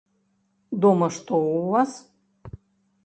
Дома што ў вас?